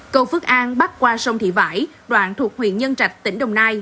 cầu phước an bắt qua sông thị vải đoạn thuộc huyện nhân trạch tỉnh đồng nai